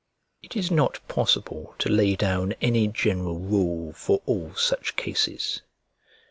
It is not possible to lay down any general rule for all such cases.